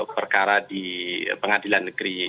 perkara di pn